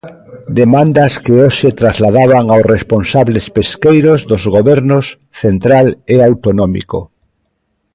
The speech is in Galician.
Demandas que hoxe trasladaban aos responsables pesqueiros dos gobernos central e autonómico.